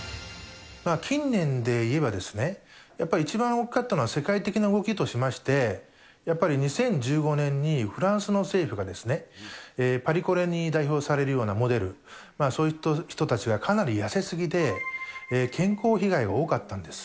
近年でいえばですね、やっぱり一番大きかったのは世界的な動きとしまして、やっぱり２０１５年にフランスの政府がですね、パリコレに代表されるようなモデル、そういう人たちがかなり痩せすぎで、健康被害が多かったんです。